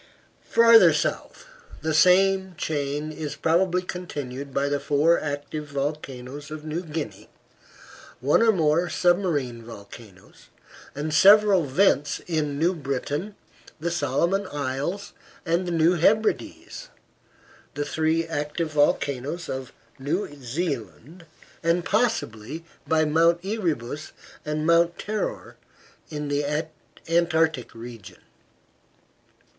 Farther south, the same chain is probably continued by the four active volcanoes of New Guinea, one or more submarine volcanoes, and several vents in New Britain, the Solomon Isles, and the New Hebrides, the three active volcanoes of New Zealand, and possibly by Mount Erebus and Mount Terror in the Antarctic region.